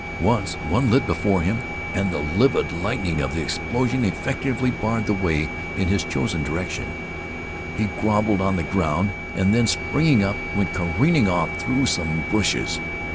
Once one lit before him and the livid lightning of the explosion effectually barred the way in his chosen direction. He groveled on the ground and then springing up went careering off through some bushes.